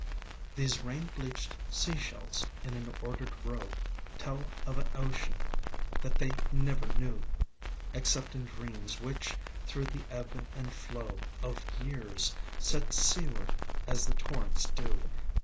These rain bleached sea shells in an ordered row Tell of an ocean that they never knew Except in dreams which, through the ebb and flow Of years, set seaward as the torrents do.